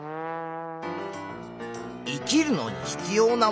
生きるのに必要なものは？